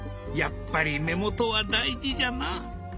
やっぱり目元は大事じゃな。